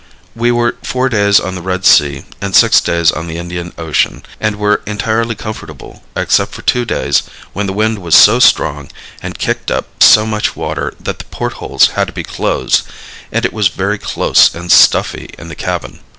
We were four days on the Red Sea and six days on the Indian Ocean, and were entirely comfortable except for two days when the wind was so strong and kicked up so much water that the port holes had to be closed, and it was very close and stuffy in the cabin.